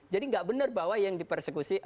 jadi tidak benar bahwa yang di persekusi